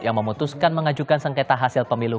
yang memutuskan mengajukan sengketa hasil pemilu